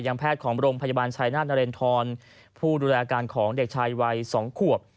แพทย์ของโรงพยาบาลชายนาฏนเรนทรผู้ดูแลอาการของเด็กชายวัย๒ขวบ